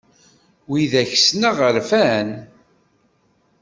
Wid akk ssneɣ rfan.